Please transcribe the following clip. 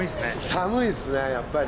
寒いですねやっぱり。